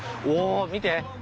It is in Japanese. お見て。